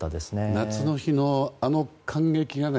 夏の日の、あの感激がね